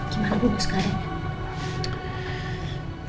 gimana ibu sekarang